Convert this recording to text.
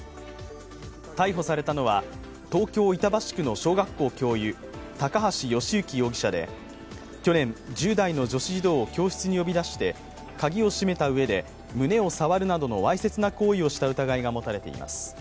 逮捕されたのは東京・板橋区の小学校教諭、高橋慶行容疑者で去年、１０代の女子児童を教室に呼び出して、鍵を閉めたうえで胸を触るなどのわいせつな行為をした疑いが持たれています。